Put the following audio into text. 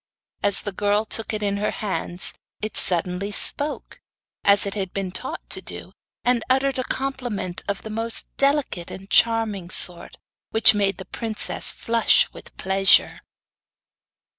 As the girl took it in her hands it suddenly spoke, as it had been taught to do, and uttered a compliment of the most delicate and charming sort, which made the princess flush with pleasure.